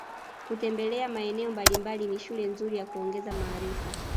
Kutembla maeneo mbalimbali ni shule nzuri ya kuongeza maarifa